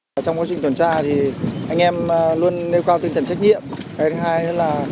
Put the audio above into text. điều thứ hai là chủ động tuyên truyền